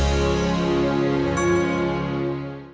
hanya terima kasih hidup